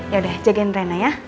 yaudah jagain rena ya